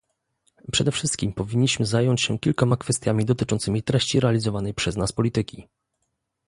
Przede wszystkim powinniśmy zająć się kilkoma kwestiami dotyczącymi treści realizowanej przez nas polityki